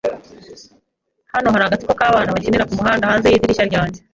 Hano hari agatsiko k'abana bakinira kumuhanda hanze yidirishya ryanjye.